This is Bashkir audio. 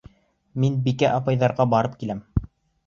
Мин Бикә апайҙарға барып киләм.